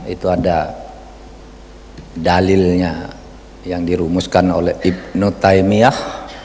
itu ada dalilnya yang dirumuskan oleh ibnu taimiah